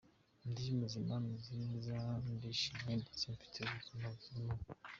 Ndi muzima, meze neza, ndishimye ndetse mfite ubuzima buzira umuze.